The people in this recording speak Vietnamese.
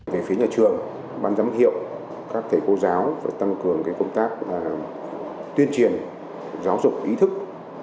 về phía nhà trường ban giám hiệu các thầy cô giáo phải tăng cường công tác tuyên truyền giáo dục ý thức